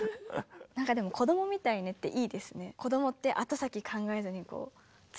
なんかでも「子どもみたいね」っていいですね。